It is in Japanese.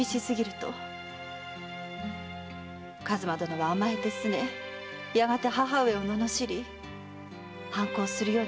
数馬殿は甘えて拗ねやがて母上を罵り反抗するようになったのです。